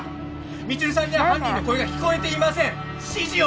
未知留さんには犯人の声が聞こえていません指示を！